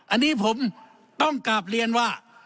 อันนี้ผมต้องกลับเรียนว่า